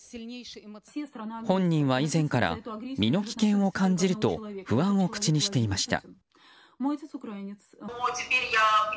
本人は以前から身の危険を感じると不安を口にしていました。